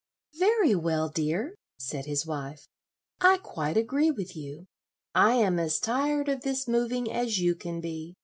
"Very well, dear," said his wife, "I quite agree with you. I am as tired of this moving as you can be.